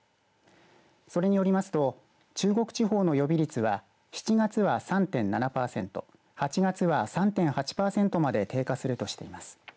それによりますと中国地方の予備率は７月は３．７パーセント８月は３．８パーセントまで低下するとしています。